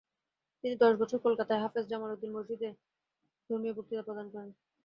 তিনি দশ বছর কলকাতায় হাফেজ জামালউদ্দিন মসজিদে ধর্মীয় বক্তৃতা প্রদান করেন।